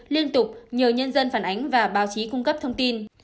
liên tục nhờ nhân dân phản ánh và báo chí cung cấp thông tin